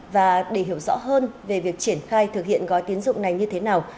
và để hiểu rõ hơn về việc triển khai thực hiện gói tiến dụng này như thế nào